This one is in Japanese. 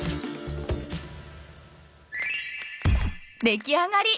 出来上がり！